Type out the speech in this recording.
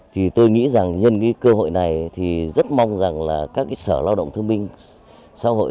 thì tôi nghĩ rằng nhân cơ hội này thì rất mong rằng là các sở lao động thông minh xã hội